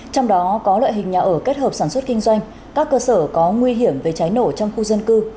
trong đó có loại hình nhà ở kết hợp sản xuất kinh doanh các cơ sở có nguy hiểm về cháy nổ trong khu dân cư